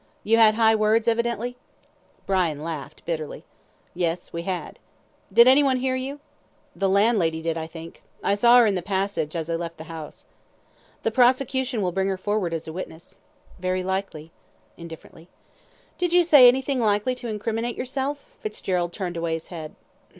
"You had high words, evidently?" Brian laughed bitterly. "Yes, we had." "Did anyone hear you?" "The landlady did, I think. I saw her in the passage as I left the house." "The prosecution will bring her forward as a witness." "Very likely," indifferently. "Did you say anything likely to incriminate yourself?" Fitzgerald turned away his head.